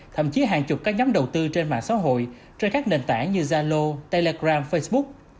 thậm chí hàng chục các nhóm đầu tư trên mạng xã hội trên các nền tảng như zalo telegram facebook